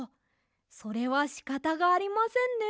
それはしかたがありませんね。